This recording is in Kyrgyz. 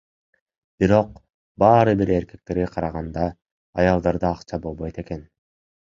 Бирок баары бир эркектерге караганда аялдарда акча болбойт экен.